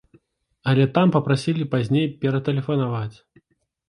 Але там папрасілі пазней ператэлефанаваць.